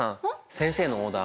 先生のオーダー